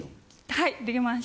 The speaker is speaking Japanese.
はいできます。